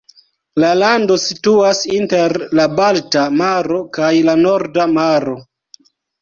La lando situas inter la Balta maro kaj la Norda Maro.